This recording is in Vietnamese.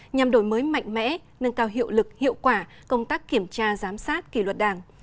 nhằm đổi mới mạnh mẽ nâng cao hiệu lực hiệu quả công tác kiểm tra giám sát kỳ luật đảng